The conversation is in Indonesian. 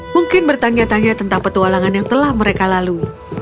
mungkin bertanya tanya tentang petualangan yang telah mereka lalu